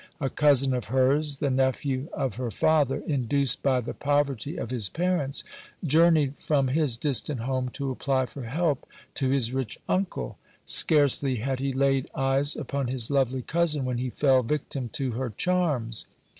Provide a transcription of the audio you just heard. A cousin of hers, the nephew of her father, induced by the poverty of his parents, journeyed from his distant home to apply for help to his rich uncle. Scarcely had he laid eyes upon his lovely cousin when he fell victim to her charms.